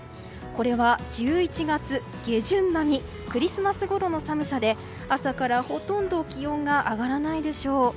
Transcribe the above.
これは１１月下旬並みクリスマスごろの寒さで朝からほとんど気温が上がらないでしょう。